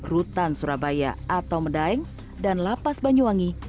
rutan surabaya atau medaeng dan lapas banyuwangi